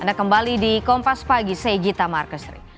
anda kembali di kompas pagi saya gita markesri